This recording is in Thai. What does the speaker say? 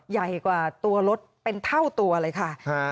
ใหญ่กว่าตัวรถเป็นเท่าตัวเลยค่ะ